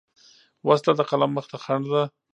وسله د قلم مخ ته خنډ ده